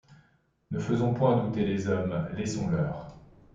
Ne faisons point douter les hommes ; laissons-leur